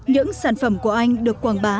những sản phẩm của anh được quảng bá